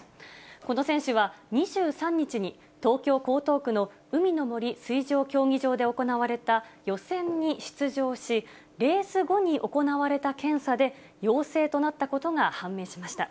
この選手は、２３日に東京・江東区の海の森水上競技場で行われた予選に出場し、レース後に行われた検査で陽性となったことが判明しました。